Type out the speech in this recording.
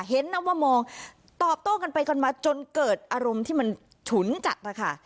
เห็นนะว่ามองตอบโต้กันไปกันมาจนเกิดอารมณ์ที่มันฉุนจัดนะคะ